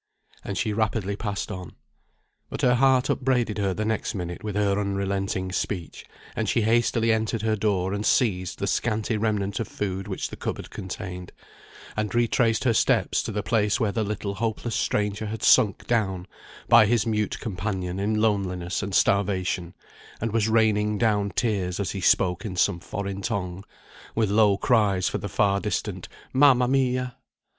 And she rapidly passed on. But her heart upbraided her the next minute with her unrelenting speech, and she hastily entered her door and seized the scanty remnant of food which the cupboard contained, and retraced her steps to the place where the little hopeless stranger had sunk down by his mute companion in loneliness and starvation, and was raining down tears as he spoke in some foreign tongue, with low cries for the far distant "Mamma mia!"